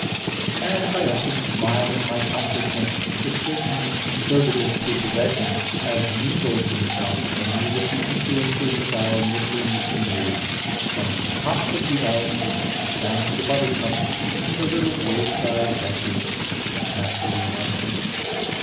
And I often smile at my consciousness that certain conservative prepossessions have mingled themselves for me with the influences of our midland scenery, from the tops of the elms down to the buttercups and the little wayside vetches. Naturally enough.